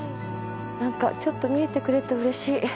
なんかちょっと見えてくれると嬉しい。